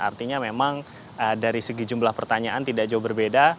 artinya memang dari segi jumlah pertanyaan tidak jauh berbeda